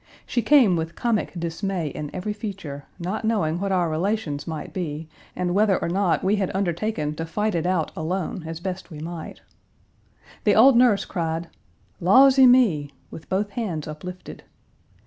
She came with comic dismay in every feature, not knowing what our relations might be, and whether or not we had undertaken to fight it out alone as best we might. The old nurse cried, "Lawsy me!" with both hands uplifted.